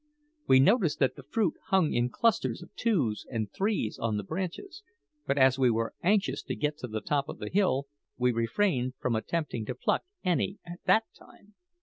We noticed that the fruit hung in clusters of twos and threes on the branches; but as we were anxious to get to the top of the hill, we refrained from attempting to pluck any at that time.